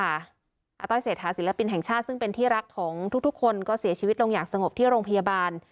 อาต้อยเศรษฐาศิลปินแห่งชาติซึ่งเป็นที่รักของทุกคนก็เสียชีวิตลงอย่างสงบที่โรงพยาบาล